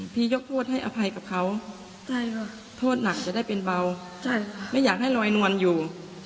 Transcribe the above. ยกโทษให้อภัยกับเขาโทษหนักจะได้เป็นเบาไม่อยากให้ลอยนวลอยู่